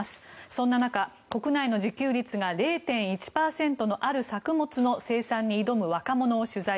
そんな中国内の自給率が０．１％のある作物の生産に挑む若者を取材。